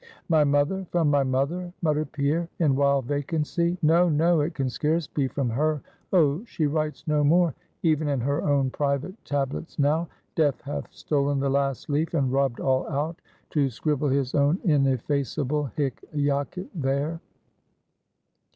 "My mother? from my mother?" muttered Pierre, in wild vacancy "no! no! it can scarce be from her. Oh, she writes no more, even in her own private tablets now! Death hath stolen the last leaf, and rubbed all out, to scribble his own ineffaceable hic jacet there!"